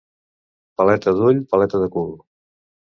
Paleta d'ull, paleta de cul.